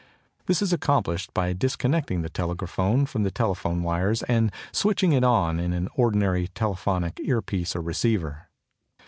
This is accomplished by disconnecting the telegraphone from the telephone wires and switching it on to an ordinary telephonic earpiece or receiver.